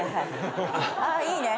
あっいいね。